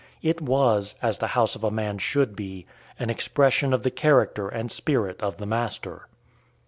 It was, as the house of a man should be, an expression of the character and spirit of the master.